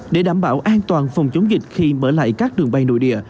để đảm bảo an toàn phòng chống dịch khi mở lại các đường bay nội địa